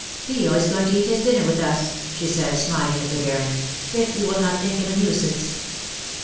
" Leo is going to eat his dinner with us/^ she said, smiling at the Baron, " if you will not think him a nuisance."